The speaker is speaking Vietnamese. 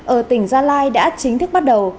ở tỉnh gia lai đã chính thức bắt đầu